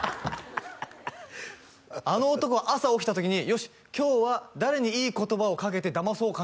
あの男は朝起きた時に「よし今日は誰にいい言葉を掛けてだまそうかな」